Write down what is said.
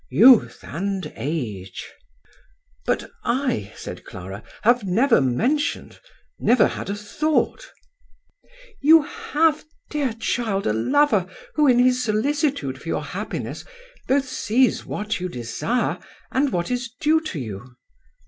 " Youth and age!" "But I," said Clara, "have never mentioned, never had a thought ..."" You have, dear child, a lover who in his solicitude for your happiness both sees what you desire and what is due to you."